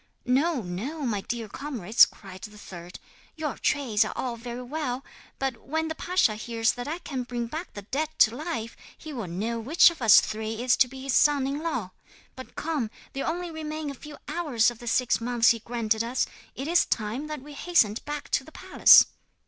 '"No, no, my dear comrades," cried the third, "your trades are all very well; but when the pasha hears that I can bring back the dead to life he will know which of us three is to be his son in law. But come, there only remain a few hours of the six months he granted us. It is time that we hastened back to the palace."